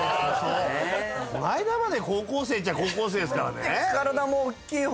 前まで高校生っちゃ高校生ですからね。